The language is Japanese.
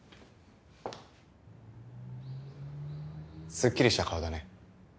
すっきりした顔だね。